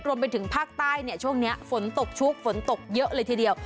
รวมไปถึงภาคใต้เนี่ยช่วงนี้ฝนตกชุกฝนตกเยอะเลยทีเดียว